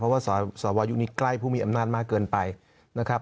เพราะว่าสวยุคนี้ใกล้ผู้มีอำนาจมากเกินไปนะครับ